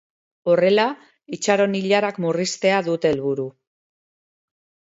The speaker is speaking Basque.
Horrela, itxaron-ilarak murriztea dute helburu.